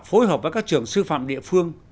phối hợp với các trường sư phạm địa phương